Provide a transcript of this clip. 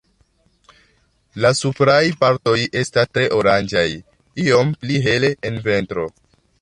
La supraj partoj estas tre oranĝaj, iom pli hele en ventro.